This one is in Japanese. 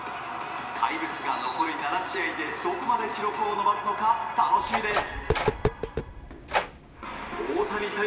怪物が残り７試合でどこまで記録を伸ばすのか楽しみです。